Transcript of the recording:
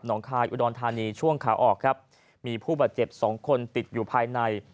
งคายอุดรธานีช่วงขาออกครับมีผู้บาดเจ็บสองคนติดอยู่ภายใน